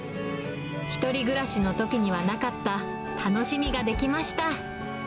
１人暮らしのときにはなかった楽しみが出来ました。